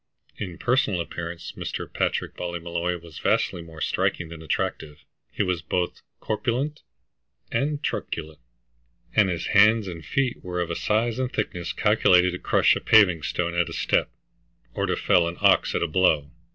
In personal appearance, Mr. Patrick Ballymolloy was vastly more striking than attractive. He was both corpulent and truculent, and his hands and feet were of a size and thickness calculated to crush a paving stone at a step, or to fell an ox at a blow.